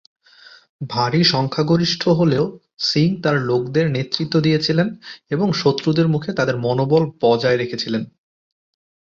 ভারী সংখ্যাগরিষ্ঠ হলেও সিং তাঁর লোকদের নেতৃত্ব দিয়েছিলেন এবং শত্রুদের মুখে তাদের মনোবল বজায় রেখেছিলেন।